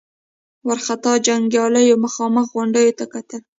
وارخطا جنګياليو مخامخ غونډيو ته کتل.